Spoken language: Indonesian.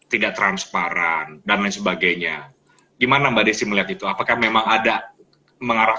tidak transparan dan lain sebagainya gimana mbak desi melihat itu apakah memang ada mengarah